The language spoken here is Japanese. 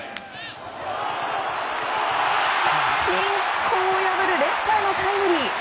均衡を破るレフトへのタイムリー。